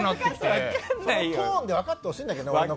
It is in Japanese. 俺のトーンで分かってほしいんだけど。